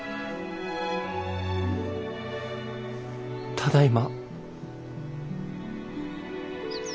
ただいま。